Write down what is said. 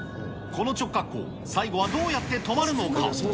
この直滑降、最後はどうやって止まるのか。